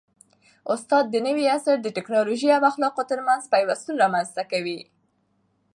استاد د نوي عصر د ټیکنالوژۍ او اخلاقو ترمنځ پیوستون رامنځته کوي.